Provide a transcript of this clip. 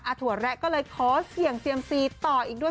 ถั่วแระก็เลยขอเสี่ยงเซียมซีต่ออีกด้วย